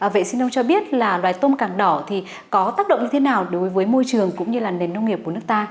vậy xin ông cho biết loài tôm càng đỏ có tác động như thế nào đối với môi trường cũng như nền nông nghiệp của nước ta